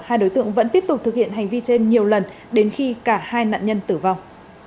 hai đối tượng vẫn tiếp tục thực hiện hành vi trên nhiều lần đến khi cả hai nạn nhân tử vong